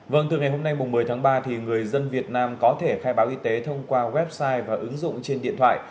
vâng từ ngày hôm nay một mươi tháng ba thì người dân việt nam có thể khai báo y tế thông qua website và ứng dụng trên điện thoại